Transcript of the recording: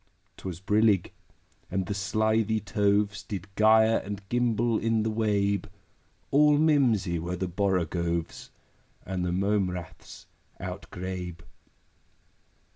'Twas brillig, and the slithy toves Did gyre and gimble in the wabe: All mimsy were the borogoves, And the mome raths outgrabe.